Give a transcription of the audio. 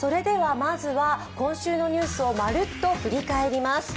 まずは今週のニュースをまるっと振り返ります。